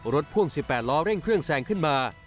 พ่วง๑๘ล้อเร่งเครื่องแซงขึ้นมา